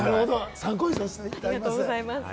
参考にさせていただきます。